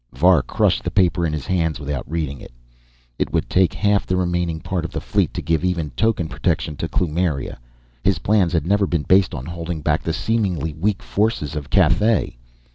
Var crushed the paper in his hands without reading it. It would take half the remaining part of the fleet to give even token protection to Kloomiria. His plans had never been based on holding back the seemingly weak forces of Cathay.